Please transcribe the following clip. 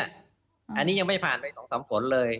อันนี้ยังไม่ผ่านไป๒๓ฝนเลย